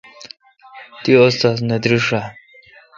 تی استا ذ نہ دریݭ آ؟